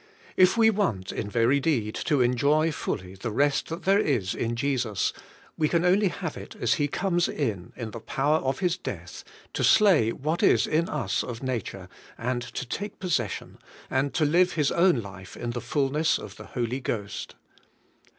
If we want, in very deed, to enjoy fully the rest that there is in Jesus, we 114 DEAD WITH CHRIST 115 can only have it as He comes in, in the power of His death, to slay what is in us of nature, and to take possession, and to live His own life in the full ness of the Holy Ghost.